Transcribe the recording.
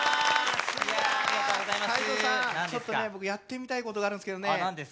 僕やってみたいことがあるんですけどね